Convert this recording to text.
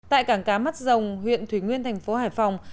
tại cảng cá mắt rồng huyện thủy nguyên thành phố hải phòng